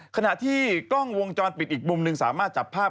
ขณะที่กล้องวงจรปิดอีกมุมหนึ่งสามารถจับภาพ